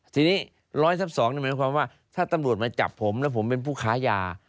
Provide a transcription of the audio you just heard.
ทีนี้๑๐๐ทับ๒นี่หมายความว่าถ้าตำรวจมาจับผมแล้วผมเป็นผู้ค้ายา